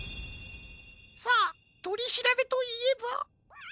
さあとりしらべといえばこれを。